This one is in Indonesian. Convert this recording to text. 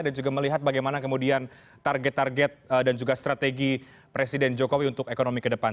dan juga melihat bagaimana kemudian target target dan juga strategi presiden jokowi untuk ekonomi ke depan